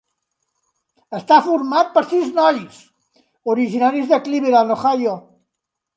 Està format per sis nois, originaris de Cleveland, Ohio.